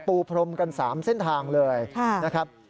พรมกัน๓เส้นทางเลยนะครับ